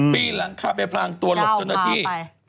ปีนหลังคาไปพลางตัวหลบเจ้าหน้าที่